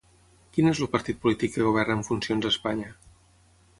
Quin és el partit polític que governa en funcions a Espanya?